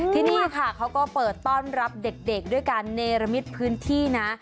ที่นี่ค่ะเขาก็เปิดต้อนรับเด็กด้วยการเนรมิตพื้นที่นะ